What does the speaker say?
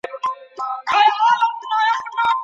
قلمي خط د علم په لار کي د قدم وهلو په مانا دی.